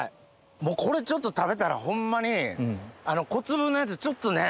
もうこれちょっと食べたらホンマに小粒のやつちょっとねぇ。